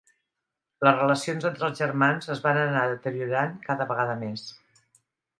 Les relacions entre els germans es van anar deteriorant cada vegada més.